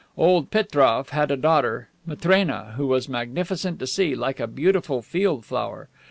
Old Petroff had a daughter, Matrena, who was magnificent to see, like a beautiful field flower.